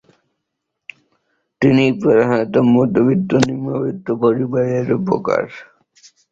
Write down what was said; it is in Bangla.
তিনি প্রধানত মধ্যবিত্ত নিম্নবিত্ত পরিবারের রূপকার।